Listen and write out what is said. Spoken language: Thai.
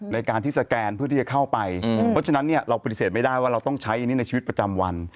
ในการที่สแกนเพื่อที่จะเข้าไปเพราะฉะนั้นเนี่ยเราปฏิเสธไม่ได้ว่าเราต้องใช้อันนี้ในชีวิตประจำวัน